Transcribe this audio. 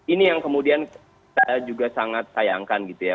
ini yang kemudian kita juga sangat sayangkan gitu ya